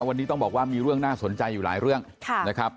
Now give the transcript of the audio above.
วันนี้ต้องบอกว่ามีเรื่องน่าสนใจอยู่หลายเรื่องนะครับ